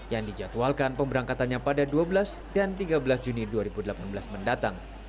yang dijadwalkan pemberangkatannya pada dua belas dan tiga belas juni dua ribu delapan belas mendatang